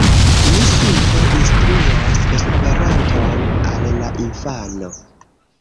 Ni simple instruos Esperanton al la infano."